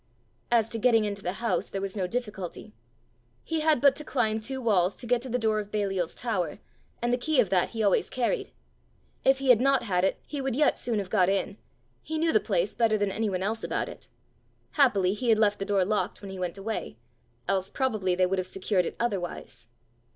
As to getting into the house there was no difficulty. He had but to climb two walls to get to the door of Baliol's tower, and the key of that he always carried. If he had not had it, he would yet soon have got in; he knew the place better than any one else about it. Happily he had left the door locked when he went away, else probably they would have secured it otherwise.